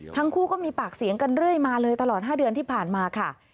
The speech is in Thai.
ทั้งคู่ก็มีปากเสียงกันเรื่อยมาเลยตลอด๕เดือนที่ผ่านมาค่ะ